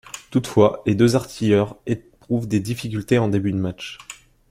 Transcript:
Toutefois, les deux artilleurs éprouvent des difficultés en début de match.